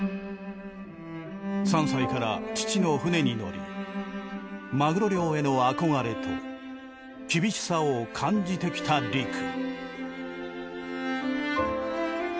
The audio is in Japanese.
３歳から父の船に乗りマグロ漁への憧れと厳しさを感じてきた陸。